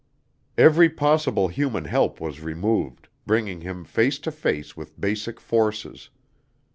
Every possible human help was removed, bringing him face to face with basic forces.